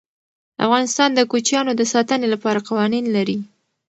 افغانستان د کوچیانو د ساتنې لپاره قوانین لري.